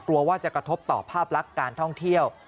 กลัวว่าจะกระทบต่อภาพลักษณ์การท่องเที่ยว